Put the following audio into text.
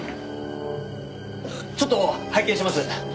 ちょっと拝見します。